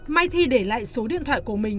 mai thi để lại số điện thoại của mình